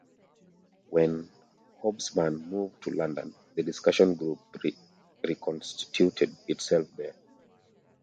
When Hobsbaum moved to London, the discussion group reconstituted itself there.